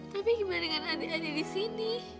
tapi gimana dengan adik adik di sini